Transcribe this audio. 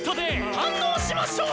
堪能しましょう！